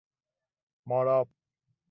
ماراب